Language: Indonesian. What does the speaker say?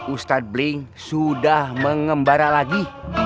ustadz bling sudah mengembara lagi